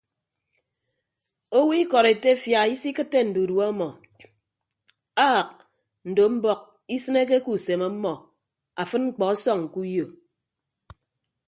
Owo ikọd etefia isikịtte ndudue ọmọ aak ndo mbọk isịneke ke usem ọmmọ afịd mkpọ ọsọñ ke uyo.